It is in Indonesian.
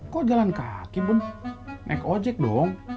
kok jalan kaki pun naik ojek dong